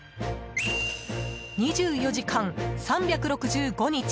２４時間３６５日